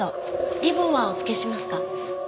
リボンはお付けしますか？